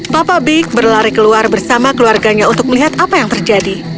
papa big berlari keluar bersama keluarganya untuk melihat apa yang terjadi